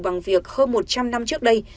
bằng việc hơn một trăm linh năm trước đây